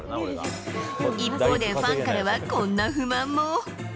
一方でファンからはこんな不満も。